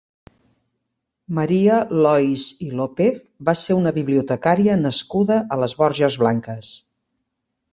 Maria Lois i López va ser una bibliotecària nascuda a les Borges Blanques.